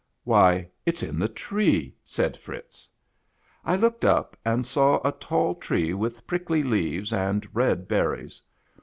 " Why, it 's in the tree' !" said Fritz. I looked up and saw a tall tree with prickly leaves and red berries.